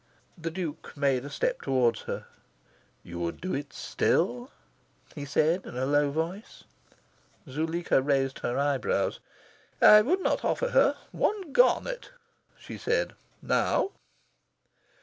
The Duke made a step towards her. "You would do it still," he said in a low voice. Zuleika raised her eyebrows. "I would not offer her one garnet," she said, "now."